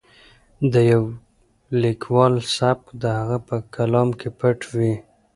د یو لیکوال سبک د هغه په کلام کې پټ وي.